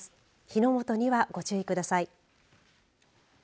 火の元にはご注意ください。